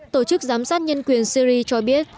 tổ chức giám sát nhân quyền syri cho biết